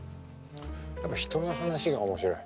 やっぱ人の話が面白い。